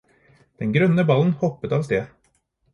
Den grønne ballen hoppet av sted.